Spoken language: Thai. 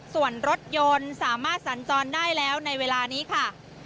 ส่วนรถยนต์สามารถสัญจรได้แล้วในเวลานี้ค่ะ